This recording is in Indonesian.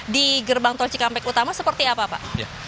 di gerbang tol cikampek utama seperti apa pak